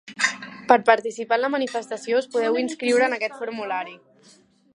Per participar en la manifestació us podeu inscriure en aquest formulari.